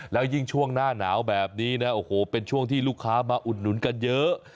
แล้วยิ่งช่วงหน้าหนาวแบบนี้นะโอ้โหเป็นช่วงที่ลูกค้ามาอุดหนุนกันเยอะ